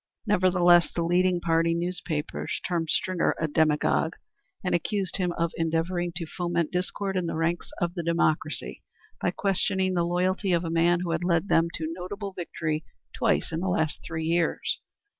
Nevertheless the leading party newspapers termed Stringer a demagogue, and accused him of endeavoring to foment discord in the ranks of the Democracy by questioning the loyalty of a man who had led them to notable victory twice in the last three years.